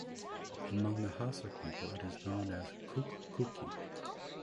Among the Hausa people it is known as Kukkuki.